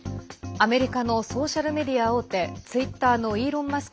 アメリカのソーシャルメディア大手ツイッターのイーロン・マスク